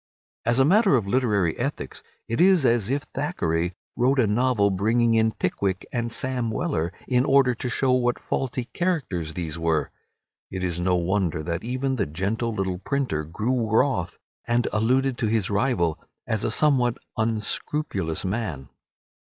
As a matter of literary ethics, it is as if Thackeray wrote a novel bringing in Pickwick and Sam Weller in order to show what faulty characters these were. It is no wonder that even the gentle little printer grew wroth, and alluded to his rival as a somewhat unscrupulous man.